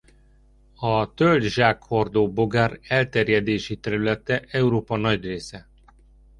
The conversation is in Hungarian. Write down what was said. A tölgy-zsákhordóbogár elterjedési területe Európa nagy része.